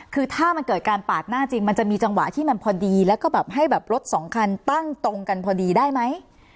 คือถ้ามันเกิดการปาดหน้าจริงมันจะมีจังหวะที่มันพอดีแล้วก็แบบให้แบบรถสองคันตั้งตรงกันพอดีได้ไหม